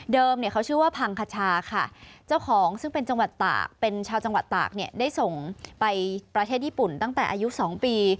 เดิมเขาชื่อว่าพังคาชาค่ะเจ้าของซึ่งเป็นชาวจังหวัดตากได้ส่งไปประเทศญี่ปุ่นตั้งแต่อายุ๒ปี